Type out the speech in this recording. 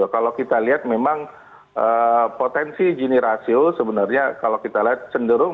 kalau kita lihat memang potensi gini rasio sebenarnya kalau kita lihat cenderung